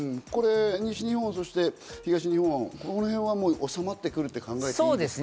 西日本、そして東日本、この辺はもう収まってくると考えていいですか。